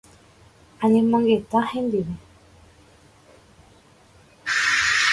Añemongeta hendive.